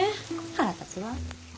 腹立つわ。